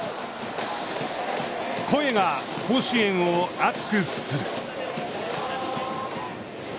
声が甲子園を熱くする。